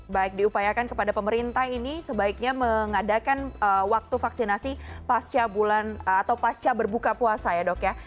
baik diupayakan kepada pemerintah ini sebaiknya mengadakan waktu vaksinasi pasca bulan atau pasca berbuka puasa ya dok ya